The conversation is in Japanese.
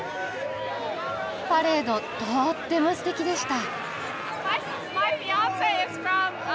パレードとってもすてきでした！